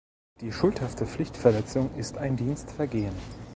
Die schuldhafte Pflichtverletzung ist ein Dienstvergehen.